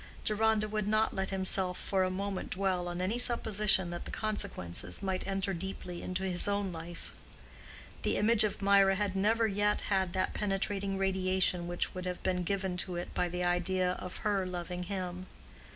Deronda would not let himself for a moment dwell on any supposition that the consequences might enter deeply into his own life. The image of Mirah had never yet had that penetrating radiation which would have been given to it by the idea of her loving him.